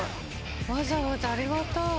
わざわざありがたい！